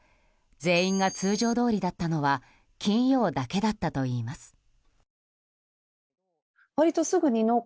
全員が通常どおりだったのは金曜だけだったといいます。